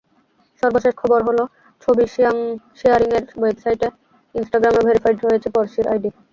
সর্বশেষ খবর হলো— ছবি শেয়ারিংয়ের ওয়েবসাইট ইনস্টাগ্রামেও ভেরিফায়েড হয়েছে পড়শীর আইডি।